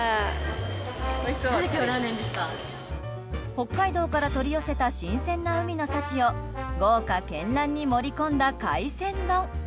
北海道から取り寄せた新鮮な海の幸を豪華絢爛に盛り込んだ海鮮丼。